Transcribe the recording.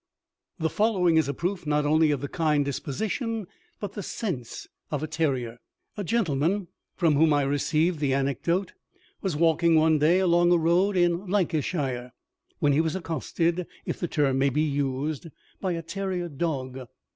The following is a proof not only of the kind disposition, but the sense of a terrier. A gentleman, from whom I received the anecdote, was walking one day along a road in Lancashire, when he was accosted, if the term may be used, by a terrier dog.